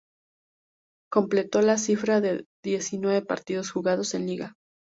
Completó la cifra de diecinueve partidos jugados en liga.